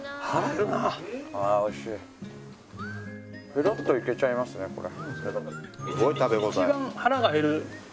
ペロッといけちゃいますねこれ。